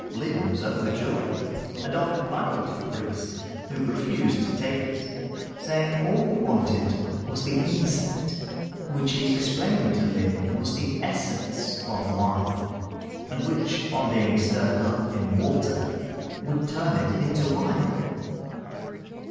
Lin was overjoyed, and offered money to the priest, who refused to take it, saying, all he wanted was the insect, which he explained to Lin was the essence of wine, and which, on being stirred up in water, would turn it into wine.